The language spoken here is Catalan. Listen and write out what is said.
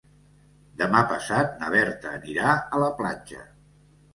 Demà passat na Berta anirà a la platja.